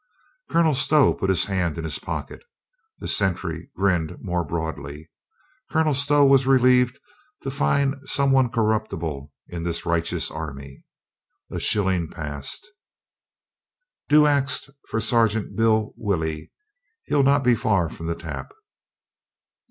Colonel Stow put his hand in his pocket. The sentry grinned more broadly. Colonel Stow was relieved to find some one corruptible in this righteous army. A shilling passed, "Do 'e ax for Sergeant Bob Willey. He'll not be far from the tap."